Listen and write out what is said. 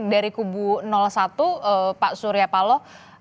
dari kubu satu pak suryapalo